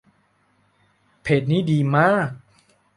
เพจนี้ดีมาก